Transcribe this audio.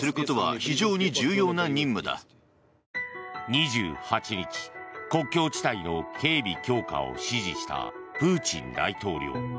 ２８日、国境地帯の警備強化を指示したプーチン大統領。